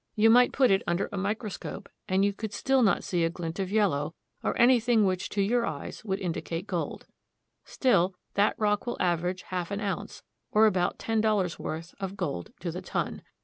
You might put it under a micro scope, and you could not see a gHnt of yellow, or anything which to your eyes would indicate gold. " Still, that rock will average half an ounce, or about ten dollars' worth, of gold to the ton.